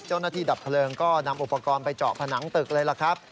เจ้าหน้าที่ดับเพลิงก็นำอุปกรณ์ไปเจาะผนังตึกเลยล่ะครับ